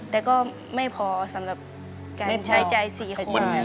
แต่ก็ไม่พอสำหรับการใช้ใจสี่คนใช้ใจค่ะ